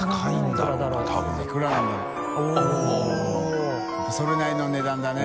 舛やっぱそれなりの値段だね。